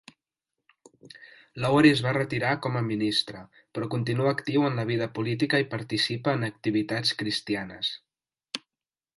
Lowery es va retirar com a ministre, però continua actiu en la vida política i participa en activitats cristianes.